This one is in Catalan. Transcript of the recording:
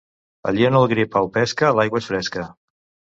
Allí on el gripau pesca l'aigua és fresca.